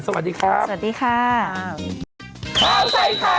สวัสดีครับ